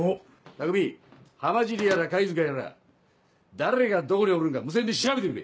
たくみ浜尻やら貝塚やら誰がどこにおるんか無線で調べてくれ！